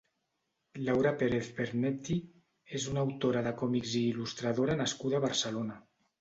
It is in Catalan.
Laura Pérez Vernetti és una autora de còmics i Il·lustradora nascuda a Barcelona.